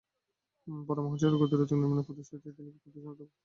পরে মহাসড়কে গতিরোধক নির্মাণের প্রতিশ্রুতি দিলে বিক্ষুব্ধ জনতা অবরোধ তুলে নেয়।